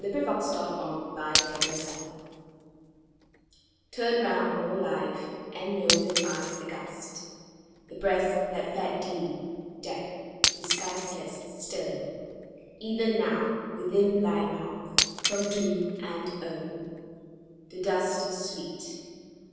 RETROSPECT AND FORECAST Turn round, O Life, and know with eyes aghast The breast that fed thee Death, disguiseless, stern; Even now, within thy mouth, from tomb and urn, The dust is sweet.